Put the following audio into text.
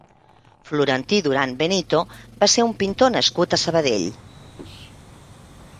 Florentí Duran Benito va ser un pintor nascut a Sabadell.